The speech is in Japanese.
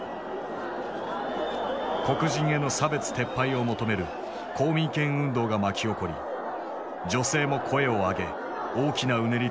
黒人への差別撤廃を求める公民権運動が巻き起こり女性も声を上げ大きなうねりとなった。